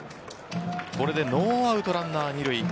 これでノーアウトランナー２塁。